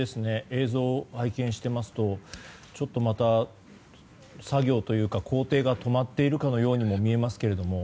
映像を拝見していますとちょっとまた作業というか工程が止まっているかのように見えますけども。